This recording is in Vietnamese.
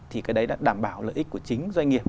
thì cái đấy đã đảm bảo lợi ích của chính doanh nghiệp